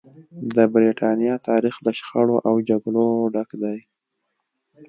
د برېټانیا تاریخ له شخړو او جګړو ډک دی.